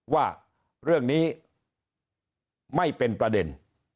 ว่าเรื่องนี้ไม่เป็นประเด็น